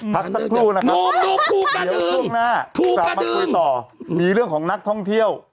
พักสักครู่นะครับเดี๋ยวช่วงหน้ากลับมาคุยต่อมีเรื่องของนักท่องเที่ยว